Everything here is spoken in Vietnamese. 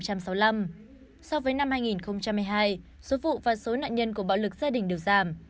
so với năm hai nghìn hai mươi hai số vụ và số nạn nhân của bạo lực gia đình được giảm